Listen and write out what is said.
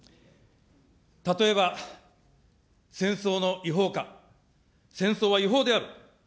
例えば、戦争の違法か、戦争は違法である。